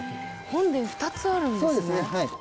本殿２つあるんですね。